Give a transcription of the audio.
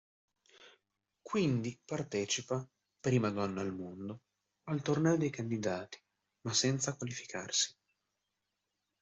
Quindi partecipa, prima donna al mondo, al torneo dei candidati, ma senza qualificarsi.